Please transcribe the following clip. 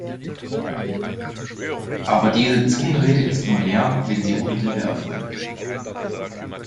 Aber diese Zungenrede ist nur Lärm, wenn sie ohne Liebe erfolgt.